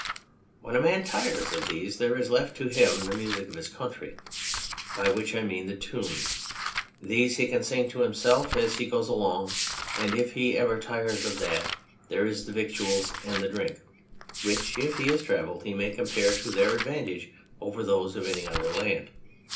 When a man tires of these there is left to him the music of his country, by which I mean the tunes. These he can sing to himself as he goes along, and if ever he tires of that there is the victuals and the drink, which, if he has travelled, he may compare to their advantage over those of any other land.